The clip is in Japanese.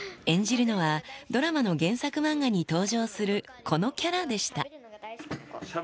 演じるのは、ドラマの原作漫画に登場する、このキャラでした。